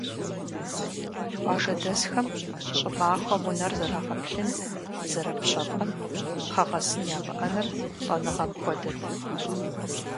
Къуажэдэсхэм щӀымахуэм унэр зэрагъэплъын, зэрыпщэфӀэн пхъэгъэсын ямыӀэныр лӀэныгъэм хуэдэт.